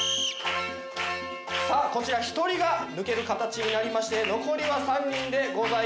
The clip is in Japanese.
さあこちら１人が抜ける形になりまして残りは３人でございます。